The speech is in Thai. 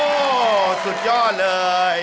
โอ้โหสุดยอดเลย